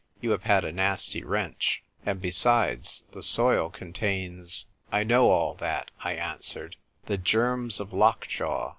You have had a nasty wrench. And, be sides, the soil contains " "I know all that," I answered. "The germs of lockjaw.